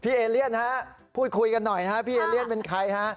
เอเลียนฮะพูดคุยกันหน่อยนะฮะพี่เอเลียนเป็นใครฮะ